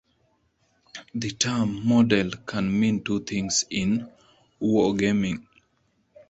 The term "model" can mean two things in wargaming.